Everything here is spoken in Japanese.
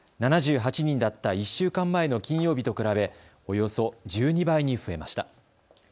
７８人だった１週間前の金曜日と比べおよそ１２倍に増えました。